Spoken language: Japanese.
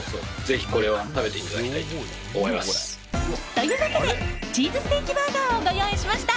というわけでチーズステーキバーガーをご用意しました。